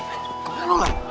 kamu kenapa lam